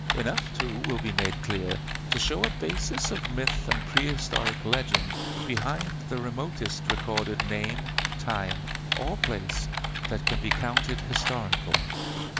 Enough too will be made clear to show a basis of myth and prehistoric legend behind the remotest recorded name, time, or place that can be counted historical.